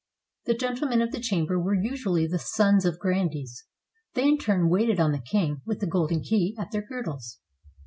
The gentlemen of the chamber were usually the sons of grandees. They in turn waited on the king with the golden key at their girdles.